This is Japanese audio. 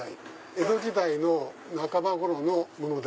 江戸時代の半ば頃のもので。